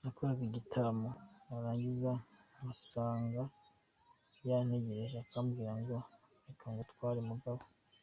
Nakoraga igitaramo narangiza ngasanga yantegereje akambwira ngo ‘reka ngutware mugabo’”.